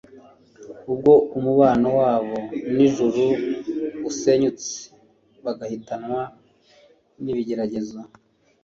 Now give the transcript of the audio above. ubwo umubano wabo n’ijuru usenyutse, bagahitanwa n’ibigeragezo.